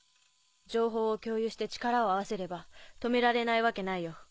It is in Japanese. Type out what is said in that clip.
情報を共有して力を合わせれば止められないわけないよ。